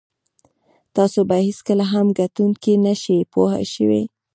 تاسو به هېڅکله هم ګټونکی نه شئ پوه شوې!.